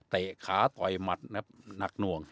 เตะขาต่อยมัดนักหน่วง